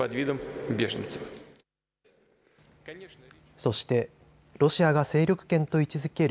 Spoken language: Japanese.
そして、ロシアが勢力圏と位置づける